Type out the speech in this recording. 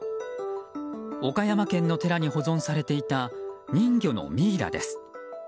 岡山県の寺に保存されていた人魚のミイラです。